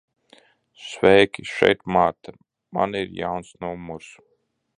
Sveiki, šeit Marta. Man ir jauns numurs.